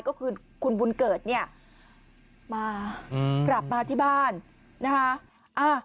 ก็คือคุณบุญเกิดเนี่ยมากลับมาที่บ้านนะคะ